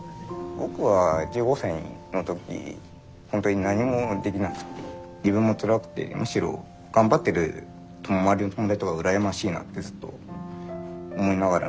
僕は１５歳のとき本当に何もできなくて自分もつらくてむしろ頑張ってる周りの友達とか羨ましいなってずっと思いながら見て。